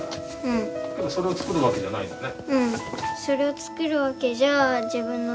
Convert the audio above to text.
でもそれを作るわけじゃないよね。